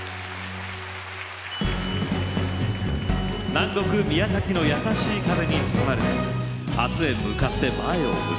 南国宮崎の優しい風に包まれて明日へ向かって前を向く。